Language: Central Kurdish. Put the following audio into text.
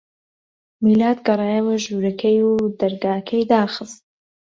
میلاد گەڕایەوە ژوورەکەی و دەرگاکەی داخست.